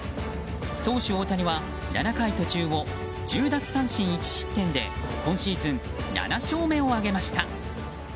投手・大谷は７回途中を１０奪三振１失点で今シーズン７勝目を挙げました。